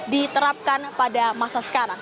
diterapkan pada masa sekarang